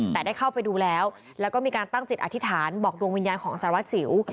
แต่ได้เข้าไปดูแล้วแล้วก็มีการตั้งจิตอธิษฐานบอกดวงวิญญาณของสารวัตรสิว